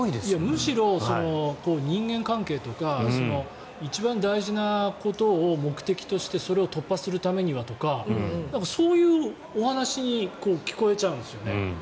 むしろ、人間関係とか一番大事なことを目的としてそれを突破するためにはとかそういうお話に聞こえちゃうんですよね。